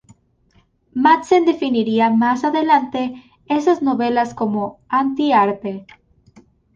Madsen definirá más adelante esas novelas como "anti arte".